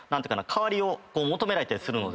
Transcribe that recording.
代わりを求められたりするので。